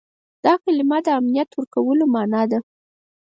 دا کلمه د امنیت ورکولو په معنا ده.